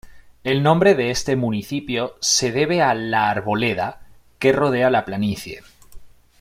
El nombre de este municipio se debe a "La Arboleda" que rodea la planicie.